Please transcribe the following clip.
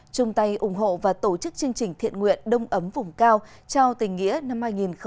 chung tay ủng hộ và tổ chức chương trình thiện nguyện đông ấm vùng cao trao tình nghĩa năm hai nghìn hai mươi